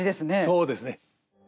そうですね。